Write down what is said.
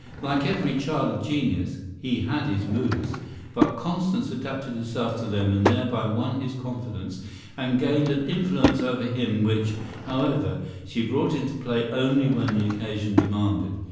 Like every child of genius, he had his moods, but Constance adapted herself to them and thereby won his confidence and gained an influence over him which, however, she brought into play only when the occasion demanded.